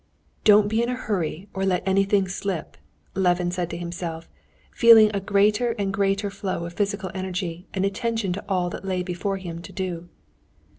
"Don't be in a hurry or let anything slip," Levin said to himself, feeling a greater and greater flow of physical energy and attention to all that lay before him to do.